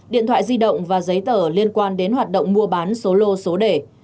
điện thoại di động và giấy tờ liên quan đến hoạt động mua bán số lô số đề